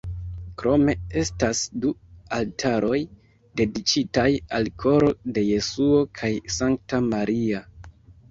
Krome estas du altaroj dediĉitaj al Koro de Jesuo kaj Sankta Maria.